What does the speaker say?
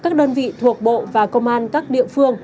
các đơn vị thuộc bộ và công an các địa phương